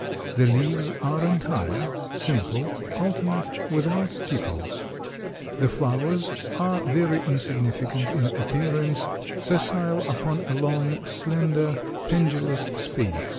The leaves are entire, simple, alternate, without stipules. The flowers are very insignificant in appearance, sessile upon a long, slender, pendulous spadix.